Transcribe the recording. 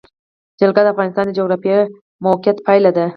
جلګه د افغانستان د جغرافیایي موقیعت پایله ده.